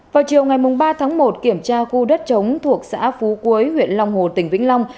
vào chiều ngày ba tháng một kiểm tra khu đất chống thuộc xã phú quế huyện long hồ tỉnh vĩnh long